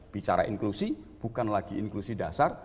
bicara inklusi bukan lagi inklusi dasar